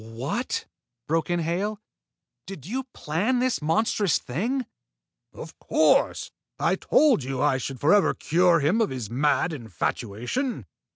"What!" broke in Hale. "Did you plan this monstrous thing?" "Of course! I told you I should forever cure him of his mad infatuation."